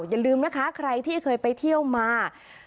อย่าลืมนะคะใครที่เคยไปเที่ยวมา